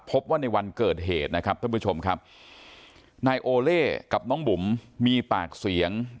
พบว่าในวันเกิดเหตุนะครับท่านผู้ชมครับนายโอเล่กับน้องบุ๋มมีปากเสียง